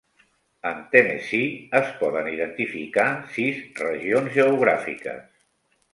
En Tennessee es poden identificar sis regions geogràfiques.